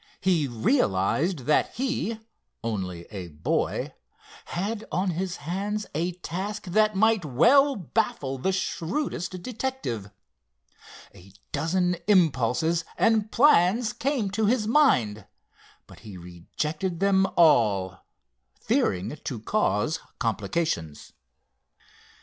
He realized that he, only a boy, had on his hands a task that might well baffle the shrewdest detective. A dozen impulses and plans came to his mind, but he rejected them all, fearing to cause complications.